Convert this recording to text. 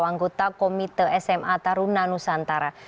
anggota komite sma taruna nusantara